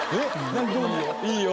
いいよ。